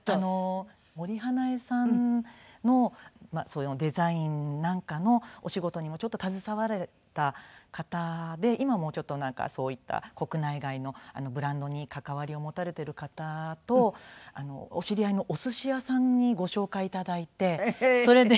森英恵さんのデザインなんかのお仕事にもちょっと携わられた方で今もなんかそういった国内外のブランドに関わりを持たれている方とお知り合いのおすし屋さんにご紹介頂いてそれで。